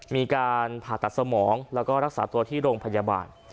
มีการผ่าตัดสมองแล้วก็รักษาตัวที่โรงพยาบาล